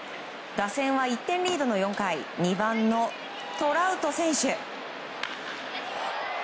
打線は１点リードの４回２番のトラウト選手。